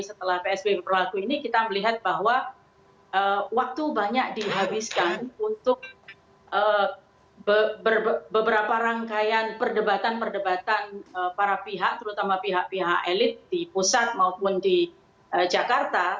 setelah psbb berlaku ini kita melihat bahwa waktu banyak dihabiskan untuk beberapa rangkaian perdebatan perdebatan para pihak terutama pihak pihak elit di pusat maupun di jakarta